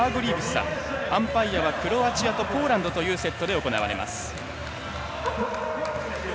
アンパイアはクロアチアとポーランドというセットで行われます。